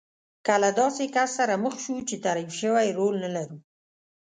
که له داسې کس سره مخ شو چې تعریف شوی رول نه لرو.